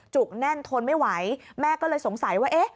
จุกแน่นทนไม่ไหวแม่ก็เลยสงสัยว่า